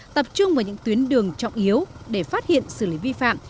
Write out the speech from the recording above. tập trung vào những tuyến đường trọng yếu để phát hiện xử lý vi phạm